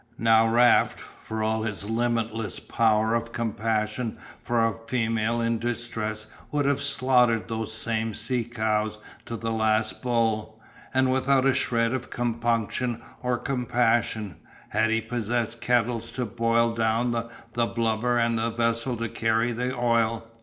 Now Raft, for all his limitless power of compassion for a female in distress would have slaughtered those same "sea cows" to the last bull, and without a shred of compunction or compassion, had he possessed kettles to boil down the blubber and a vessel to carry the oil.